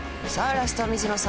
ラストは水野さん